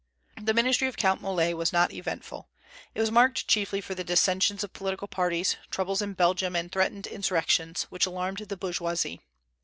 The ministry of Count Molé was not eventful. It was marked chiefly for the dissensions of political parties, troubles in Belgium, and threatened insurrections, which alarmed the bourgeoisie.